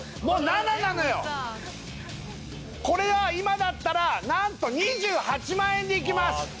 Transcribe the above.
もうこれは今だったらなんと２８万円でいけます